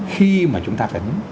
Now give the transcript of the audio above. khi mà chúng ta đến